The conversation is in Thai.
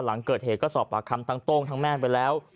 หลังเกิดเหตุก็สอบปากคำทั้งโต้งทั้งแม่ไปแล้ว